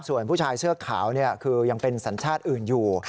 ส่วนผู้ชายเสื้อขาวคือยังเป็นสัญชาติอื่นอยู่